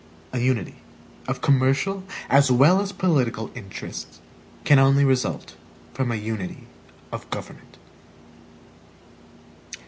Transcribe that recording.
A unity of commercial, as well as political, interests, can only result from a unity of government.